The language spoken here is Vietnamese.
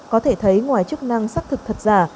có thể thấy ngoài chức năng xác thực thật giả